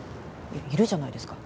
いやいるじゃないですか。